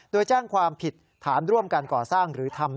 โดยแจ้งความผิดฐานร่วมการก่อสร้างหรือทำ